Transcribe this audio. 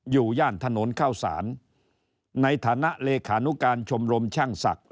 ย่านถนนเข้าสารในฐานะเลขานุการชมรมช่างศักดิ